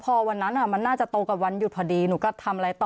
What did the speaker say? พอวันนั้นมันน่าจะโตกับวันหยุดพอดีหนูก็ทำอะไรต่อ